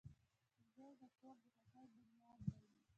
• زوی د کور د خوښۍ بنیاد وي.